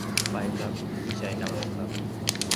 ไปครับ พี่พิชัยนำเลยครับ